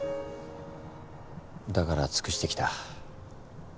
だから尽くしてきた。